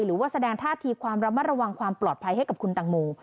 หรือว่าแสดงท่าทีความระมัดระวังความปลอดภัยให้กับคุณตังโม